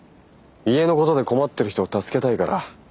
家のことで困ってる人を助けたいから。